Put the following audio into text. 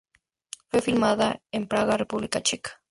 Fue filmada en Praga, República Checa.